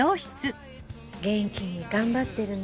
元気に頑張ってるの？